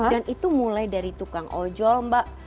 dan itu mulai dari tukang ojol mbak